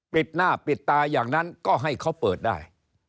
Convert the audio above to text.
ปิดหน้าปิดตาอย่างนั้นก็ให้เขาเปิดได้